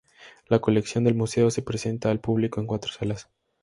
La colección del museo se presenta al público en cuatro salas.